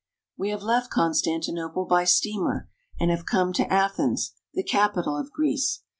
We have left Constantinople by steamer, and have come to Athens, the capital of Greece.